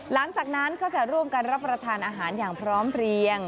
หลังจากนั้นก็จะร่วมกันรับประทานอาหารอย่างพร้อมเพลียง